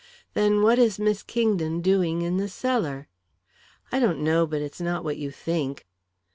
"Then what is Miss Kingdon doing in the cellar?" "I don't know, but it's not what you think."